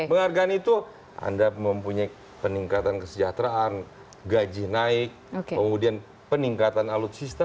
penghargaan itu anda mempunyai peningkatan kesejahteraan gaji naik kemudian peningkatan alutsista